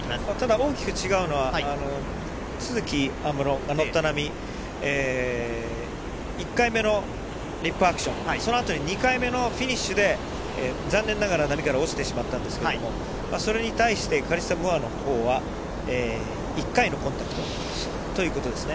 大きく違うのは都筑有夢路が乗った波、１回目のアクション、２回目のフィニッシュで、残念ながら波から落ちてしまったんですけど、それに対してカリッサ・ムーアのほうは１回のコンタクトでということですね。